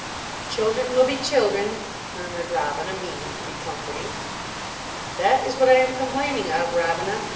"Children will be children," murmured Robina, meaning to be comforting. "That is what I am complaining of, Robina.